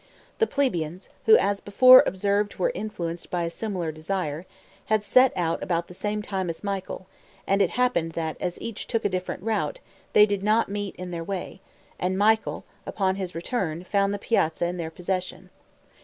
The plebeians, who as before observed were influenced by a similar desire, had set out about the same time as Michael, and it happened that as each took a different route, they did not meet in their way, and Michael, upon his return, found the piazza in their possession.